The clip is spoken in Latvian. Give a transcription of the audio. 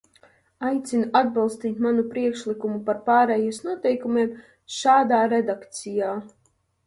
Aicinu atbalstīt manu priekšlikumu par pārejas noteikumiem šādā redakcijā.